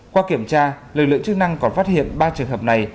qua kiểm tra lực lượng chức năng còn phát hiện ba trường hợp này